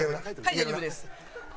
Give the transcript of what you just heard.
はい大丈夫です。